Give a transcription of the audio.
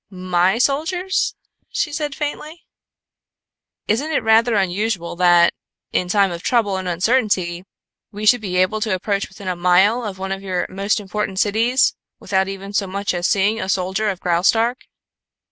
"My soldiers?" she said faintly. "Isn't it rather unusual that, in time of trouble and uncertainty, we should be able to approach within a mile of one of your most important cities without even so much as seeing a soldier of Graustark?"